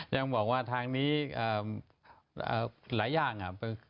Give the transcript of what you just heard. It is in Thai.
ยังบอกว่าทางนี้หลายอย่าง